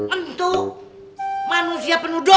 entuh manusia penuh dosa